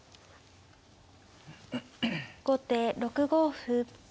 後手６五歩。